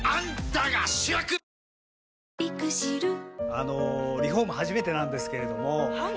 あのリフォーム初めてなんですけれどもはい。